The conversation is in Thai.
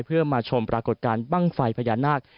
เพื่อมาชมปรากฏการณ์บ้างไฟพญานาค